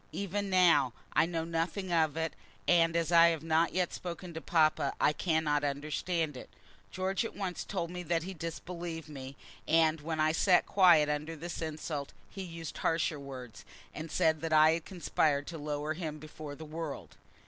Even now I know nothing of it, and as I have not yet spoken to papa I cannot understand it. George at once told me that he disbelieved me, and when I sat quiet under this insult, he used harsher words, and said that I had conspired to lower him before the world.